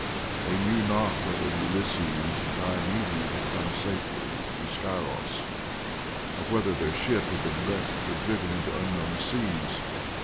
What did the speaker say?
They knew not whether Ulysses and Diomede had come safely to Scyros, or whether their ship had been wrecked or driven into unknown seas.